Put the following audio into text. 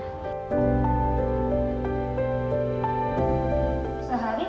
sehari nggak mesti makan gitu